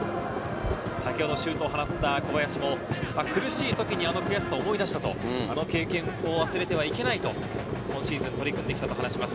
さきほどシュートを放った小林も苦しい時にその悔しさを思い出したと、あの経験忘れてはいけないと、今シーズン取り組んできたと話します。